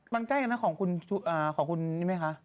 มันใกล้กันนั้นของคุณนี้มั้ยคะ